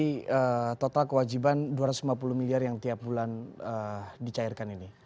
dari total kewajiban dua ratus lima puluh miliar yang tiap bulan dicairkan ini